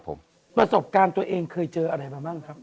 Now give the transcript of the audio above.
ประสบการณ์ตัวเองเคยเจออะไรมาบ้างครับ